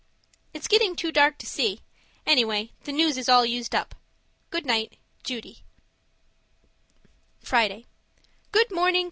It's getting too dark to see; anyway, the news is all used up. Good night, Judy Friday Good morning!